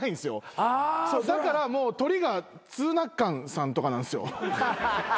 だからもうトリがツーナッカンさんとかなんですよ。